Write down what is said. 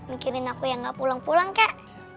mikirin aku yang gak pulang pulang kak